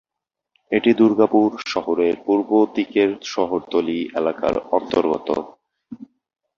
এটি দুর্গাপুর শহরের পূর্ব দিকের শহরতলি এলাকার অন্তর্গত।